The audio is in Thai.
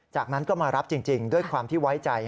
จากนั้นก็มารับจริงด้วยความที่ไว้ใจ